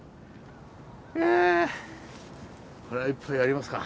いやこれは１杯やりますか。